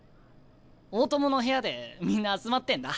大友の部屋でみんな集まってんだ。